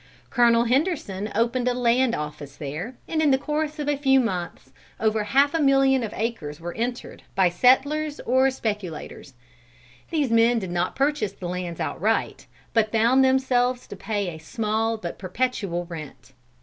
Colonel Henderson opened a land office there, and in the course of a few months, over half a million of acres were entered, by settlers or speculators. These men did not purchase the lands outright, but bound themselves to pay a small but perpetual rent.